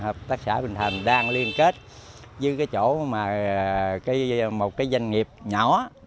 hợp tác xã bình thành đang liên kết với cái chỗ mà một cái doanh nghiệp nhỏ